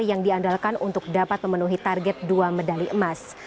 yang diandalkan untuk dapat memenuhi target dua medali emas